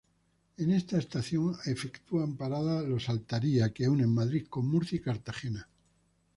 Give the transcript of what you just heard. En esta estación efectúan parada los Altaria que unen Madrid con Murcia y Cartagena.